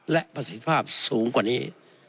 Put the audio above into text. และประสิทธิภาพสูงกว่านี้